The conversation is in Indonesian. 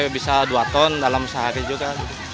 bisa dua ton dalam sehari juga